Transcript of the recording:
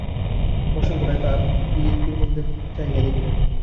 বসন্ত রায় পালকির মধ্য হইতে মাথাটি বাহির করিয়া একবার মুখ ফিরাইয়া পশ্চাতে চাহিয়া দেখিলেন।